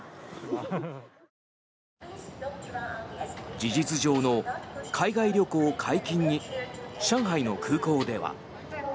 事実上の海外旅行解禁に上海の空港では。